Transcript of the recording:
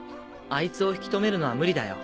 あいつを引き留めるのは無理だよ。